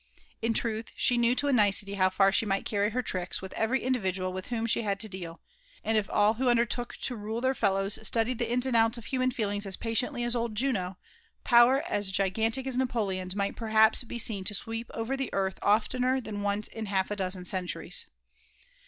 In trulh, she knew to a mcety bow for she BH^ carry her tf idks with e^ery individual with wbmi she bad to deal ; and if dl who uadertodi to rule their fsHows studied the ioe aAd ouls ef human feeiingi as patiently at okl Jsaa, power as gIgaiK tie aa Napoleon's mighl perhaps be seea to sweep ever the earth ef tener than oace kt half a dezea eeninries.